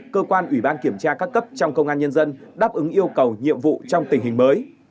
cơ quan ủy ban kiểm tra các cấp trong công an nhân dân đáp ứng yêu cầu nhiệm vụ trong tình hình mới